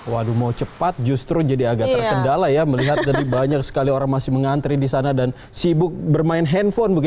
waduh mau cepat justru jadi agak terkendala ya melihat dari banyak sekali orang masih mengantri di sana dan sibuk bermain handphone